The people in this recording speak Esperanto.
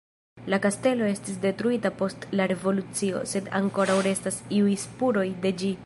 La kastelo estis detruita post la Revolucio, sed ankoraŭ restas iuj spuroj de ĝi.